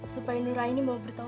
supaya noraini mau bertobat